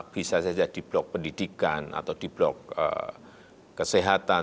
bisa saja di blok pendidikan atau di blok kesehatan